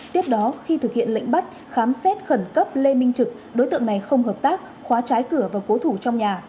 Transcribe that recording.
tiếp đó khi thực hiện lệnh bắt khám xét khẩn cấp lê minh trực đối tượng này không hợp tác khóa trái cửa và cố thủ trong nhà